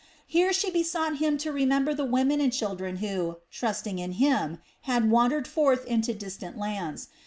Here she besought Him to remember the women and children who, trusting in Him, had wandered forth into distant lands.